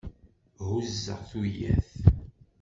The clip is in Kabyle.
Huzzeɣ tuyat.